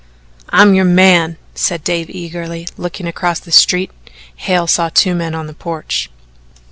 "I'm your man," said Dave eagerly. Looking across the street Hale saw two men on the porch.